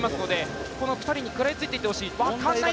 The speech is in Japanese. この２人に食らいついていってほしい。